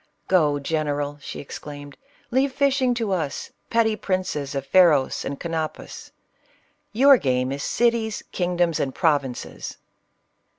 —" Go, general !" she exclaimed, " leave fishing to us, petty princes of Pha ros and Canopus ; your game is cities, kingdoms, and provinces